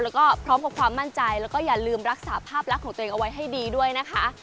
แล้วก็พร้อมกับความมั่นใจแล้วก็อย่าลืมรักษาภาพลักษณ์ของตัวเองเอาไว้ให้ดีด้วยนะคะ